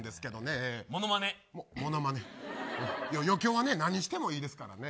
余興は何してもいいですからね。